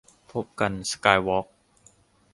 พบกัน สกายวอล์ค